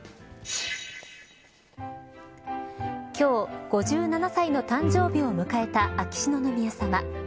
今日、５７歳の誕生日を迎えた秋篠宮さま。